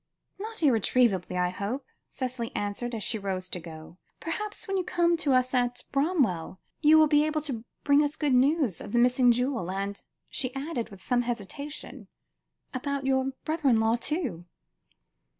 "Not irretrievably, I hope," Cicely answered, as she rose to go. "Perhaps, when you come to us at Bramwell, you will be able to bring us good news of the missing jewel, and " she added with some hesitation, "and about your brother in law, too."